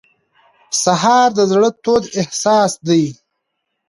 سهار د زړه تود احساس دی.